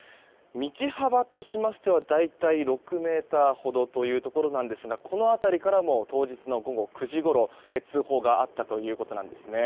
道幅としましては大体６ｍほどなんですがこの辺りからも当日の午後９時ごろ通報があったということです。